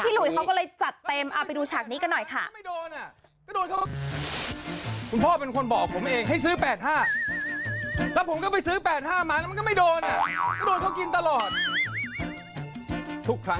หลุยเขาก็เลยจัดเต็มเอาไปดูฉากนี้กันหน่อยค่ะ